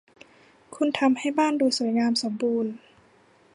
คุณทำให้บ้านดูสวยงามสมบูรณ์